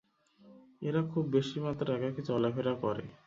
এরা খুব বেশিমাত্রায় একাকী চলাফেরা করে।